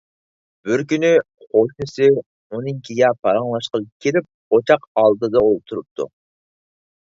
بىر كۈنى قوشنىسى ئۇنىڭكىگە پاراڭلاشقىلى كىرىپ، ئوچاق ئالدىدا ئولتۇرۇپتۇ.